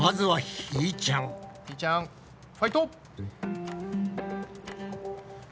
ひーちゃんファイト！